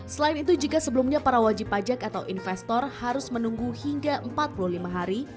selain itu jika sebelumnya para wajib pajak atau investor harus menunggu hingga empat puluh lima hari